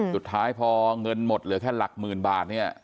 สุดท้ายพอเงินหมดเหลือแค่หลักหมื่นบาทเนี่ย